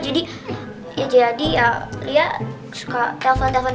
jadi ya jadi ya lia suka telfon telfon sama mpa abe